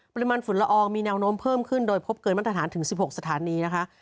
ปริมาณฝุ่นละอองมีแนวโน้มเพิ่มขึ้นโดยพบเกินมาตรฐานถึง๑๖สถานีนะคะ